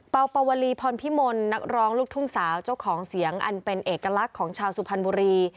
ปวลีพรพิมลนักร้องลูกทุ่งสาวเจ้าของเสียงอันเป็นเอกลักษณ์ของชาวสุพรรณบุรี